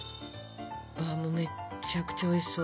めっちゃくちゃおいしそう。